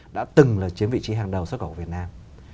đã từng là chiếm vị trí hàng đầu xuất khẩu của việt nam